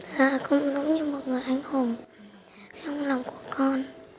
và cũng giống như một người anh hùng trong lòng của con